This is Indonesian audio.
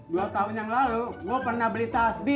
dua tahun yang lalu gue pernah beli tasbi